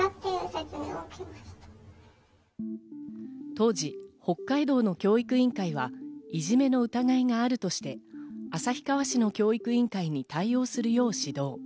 当時、北海道の教育委員会はいじめの疑いがあるとして、旭川市の教育委員会に対応するよう指導。